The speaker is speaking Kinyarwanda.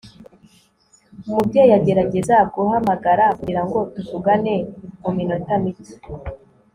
umubyeyi agerageza guhamagara kugirango tuvugane muminota mike